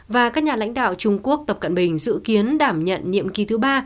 và các nhà lãnh đạo trung quốc tập cận bình dự kiến đảm nhận nhiệm kỳ thứ ba